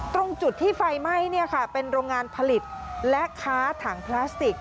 ตรงจุดที่ไฟไหม้เป็นโรงงานผลิตและค้าถังพลาสติก